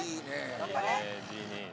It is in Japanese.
頑張れ！